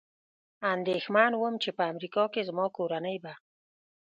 اندېښمن ووم، چې په امریکا کې زما کورنۍ به.